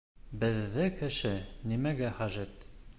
— Беҙҙә кеше нимәгә хәжәт?